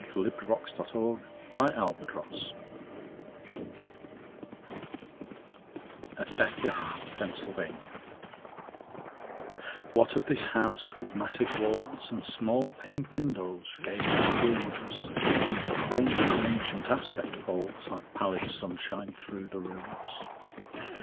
Sarah Orne Jewett The Widow's House (At Bethlehem, Pennsylvania) WHAT of this house with massive walls And small paned windows, gay with blooms? A quaint and ancient aspect falls Like pallid sunshine through the rooms.